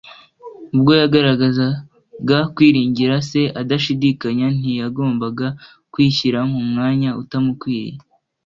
. Ubwo yagaragazaga kwiringira Se adashidikanya, ntiyagombaga kwishyira mu mwanya utamukwiriye